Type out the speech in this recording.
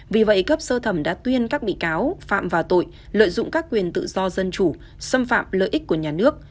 vì vậy cấp sơ thẩm đã tuyên các bị cáo phạm vào tội lợi dụng các quyền tự do dân chủ xâm phạm lợi ích của nhà nước